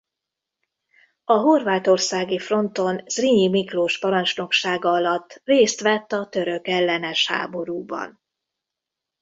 A horvátországi fronton Zrínyi Miklós parancsnoksága alatt részt vett a törökellenes háborúban.